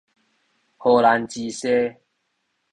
荷蘭薯沙